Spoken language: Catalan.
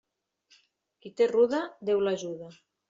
Qui té ruda, Déu l'ajuda.